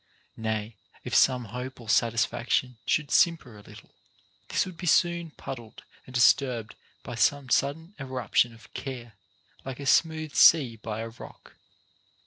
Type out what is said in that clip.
Nay, if some hope or satisfac tion should simper a little, this would be soon puddled and disturbed by some sudden eruption of care, like a smooth sea by a rock.